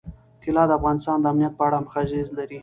طلا د افغانستان د امنیت په اړه هم اغېز لري.